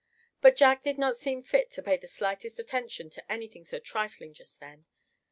But Jack did not see fit to pay the slightest attention to anything so trifling just then.